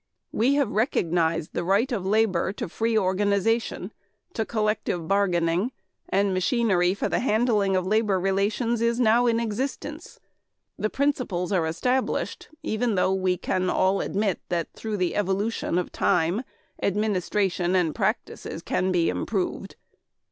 "We have recognized the right of labor to free organization, to collective bargaining; and machinery for the handling of labor relations is now in existence. The principles are established even though we can all admit that, through the evolution of time, administration and practices can be improved.